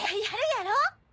やろやろ！